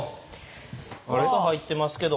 かす入ってますけど。